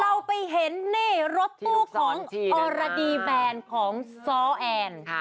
เราไปเห็นนี่รถตู้ของอรดีแบนของซ้อแอน